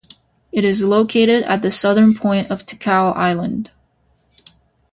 It is located at the southern point of Ticao Island.